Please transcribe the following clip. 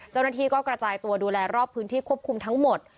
เจ้าหน้าที่ก็กระจายตัวดูแลรอบพื้นที่ควบคุมทั้งหมด